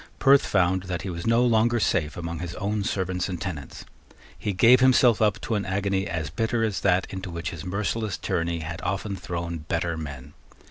Perth found that he was no longer safe among his own servants and tenants. He gave himself up to an agony as bitter as that into which his merciless tyranny had often thrown better men.